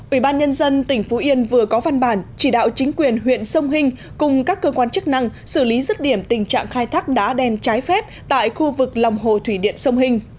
ủy ban nhân dân tỉnh phú yên vừa có văn bản chỉ đạo chính quyền huyện sông hình cùng các cơ quan chức năng xử lý rứt điểm tình trạng khai thác đá đen trái phép tại khu vực lòng hồ thủy điện sông hình